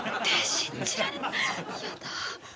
信じられない嫌だ。